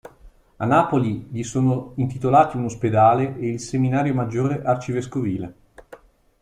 A Napoli gli sono intitolati un ospedale e il seminario maggiore arcivescovile.